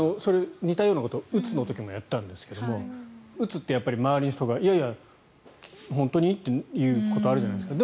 似たようなことうつの時もやったんですがうつってやっぱり周りの人がいやいや、本当に？っていうことがあるじゃないですか。